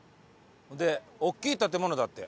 でおっきい建物だって。